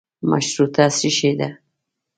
مشروطه څشي ده.